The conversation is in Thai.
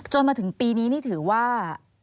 มาถึงปีนี้นี่ถือว่า